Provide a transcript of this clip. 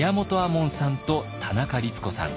門さんと田中律子さん。